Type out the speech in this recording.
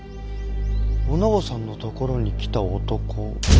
お直さんの所に来た男。